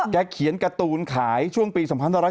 เขียนการ์ตูนขายช่วงปี๒๕๖๐